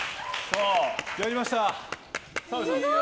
やりました！